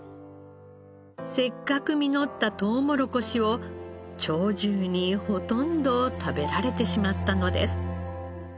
せっかく実ったとうもろこしを鳥獣にほとんど食べられてしまったのです。